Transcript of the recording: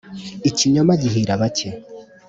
” ikinyoma gihira bake !”